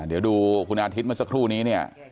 เดี๋ยวดูคุณอาทิตย์เมื่อสักครู่นี้เนี่ย